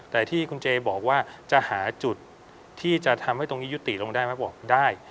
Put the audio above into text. แต่ที่คุณเจบอกว่าจะหาจุดที่จะทำให้ตรงนี้ยุติลงได้ไหมบอกได้